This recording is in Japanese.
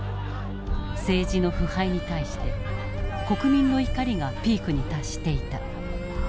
政治の腐敗に対して国民の怒りがピークに達していた。